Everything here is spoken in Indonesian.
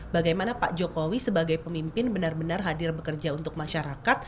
bagaimana pak jokowi sebagai pemimpin benar benar hadir bekerja untuk masyarakat